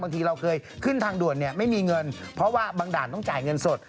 บางทีเราเคยขึ้นทางด่วนเนี่ยไม่มีเงินเพราะว่าบางด่านต้องจ่ายเงินสด